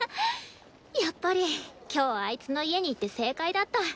やっぱり今日あいつの家に行って正解だった。